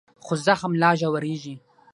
خو زخم لا ژورېږي.